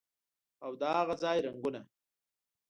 او د هاغه ځای رنګونه